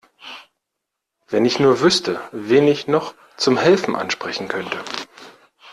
Wenn ich nur wüsste, wen ich noch zum Helfen ansprechen könnte.